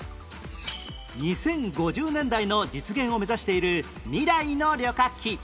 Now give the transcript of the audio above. ２０５０年代の実現を目指している２台の旅客機